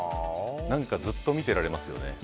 ずっと見てられますね。